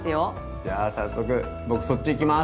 じゃあ早速僕そっち行きます！